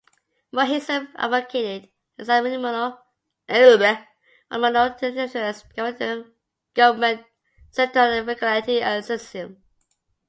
Mohism advocated a communal, decentralized government centered on frugality and ascetism.